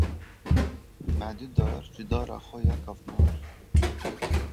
Me du dar ji dara xwe ya kevnar jê kirin.